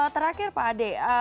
terakhir pak adek